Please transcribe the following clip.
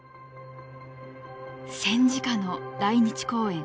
戦時下の来日公演。